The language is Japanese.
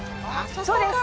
そうです